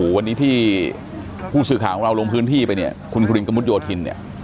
วันนี้ที่ผู้สื่อข่าวของเราลงพื้นที่ไปเนี่ยคุณครินกระมุดโยธินเนี่ย